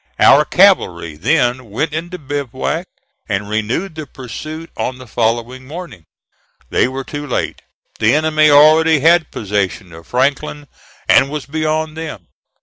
Our cavalry then went into bivouac, and renewed the pursuit on the following morning. They were too late. The enemy already had possession of Franklin, and was beyond them.